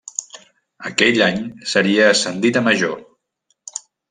Aquell any seria ascendit a major.